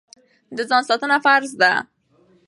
د ځان ساتنه فرض ده.